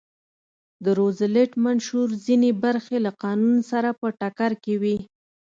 د روزولټ منشور ځینې برخې له قانون سره په ټکر کې وې.